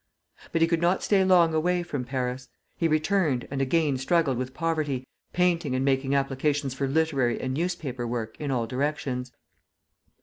But he could not stay long away from Paris. He returned, and again struggled with poverty, painting and making applications for literary and newspaper work in all directions.